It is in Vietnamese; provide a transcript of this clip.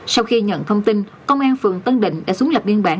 sau khi nhận thông tin công an phường tân định đã xuống lập biên bản